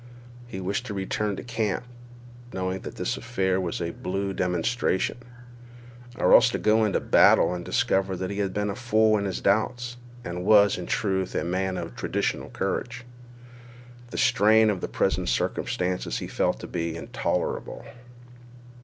He wished to return to camp, knowing that this affair was a blue demonstration; or else to go into a battle and discover that he had been a fool in his doubts, and was, in truth, a man of traditional courage. The strain of present circumstances he felt to be intolerable.